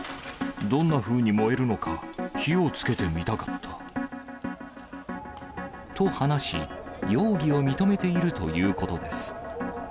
どんなふうに燃えるのか、火をつけてみたかった。と話し、容疑を認めているということです。